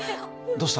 どうした？